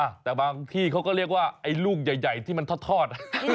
แต่บางที่เขาก็เรียกว่าไอ้ลูกใหญ่ที่มันทอด